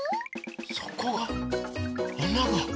そこがあなが。